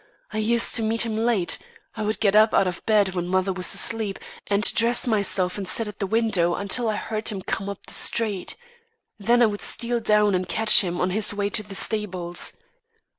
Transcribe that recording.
I used to meet him late. I would get up out of bed when mother was asleep, and dress myself and sit at the window until I heard him come up the street. Then I would steal down and catch him on his way to the stables.